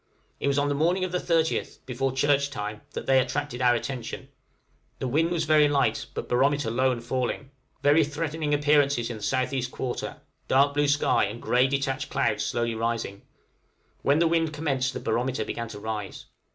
It was on the morning of the 30th, before church time, that they attracted our attention: the wind was very light, but barometer low and falling; very threatening appearances in the S.E. quarter, dark blue sky, and grey detached clouds slowly rising; when the wind commenced the barometer began to rise.